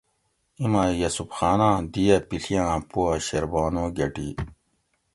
ایں ماۤ یوسف خاناۤں دی اۤ پِڷیاۤں پواۤ شیر بانو گۤٹی